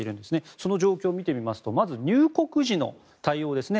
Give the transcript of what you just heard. その状況を見てみますとまず入国時の対応ですね。